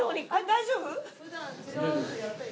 大丈夫？